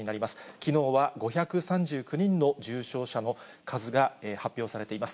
きのうは５３９人の重症者の数が発表されています。